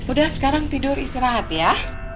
udah sekarang tidur istirahat ya